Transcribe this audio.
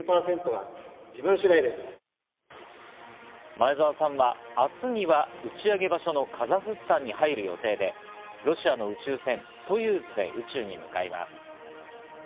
前澤さんは明日には打ち上げ場所のカザフスタンに入る予定で、ロシアの宇宙船ソユーズで宇宙に向かいます。